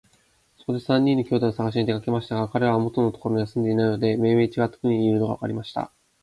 そこで三人の兄弟をさがしに出かけましたが、かれらは元のところには住んでいないで、めいめいちがった国にいるのがわかりました。